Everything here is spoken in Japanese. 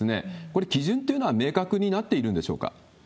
これ、基準っていうのは明確になっているんでしょうか？